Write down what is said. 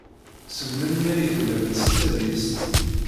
Seg melmi ay tellamt s tadist?